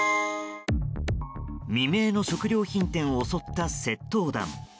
未明の食料品店を襲った窃盗団。